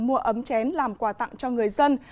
mua ấm chén làm quà tặng cho người dân